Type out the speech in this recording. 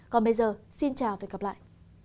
còn bây giờ xin chào và hẹn gặp lại